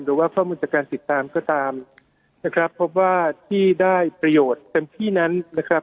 หรือว่าข้อมูลจากการติดตามก็ตามนะครับพบว่าที่ได้ประโยชน์เต็มที่นั้นนะครับ